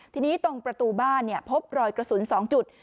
ทีนี้ตรงประตูบ้านพบรอยกระสุน๒จุด